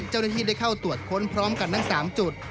เจ้าหน้าที่ได้เข้าตรวจค้นพร้อมกันทั้ง๓จุด